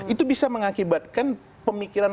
itu bisa mengakibatkan pemikiran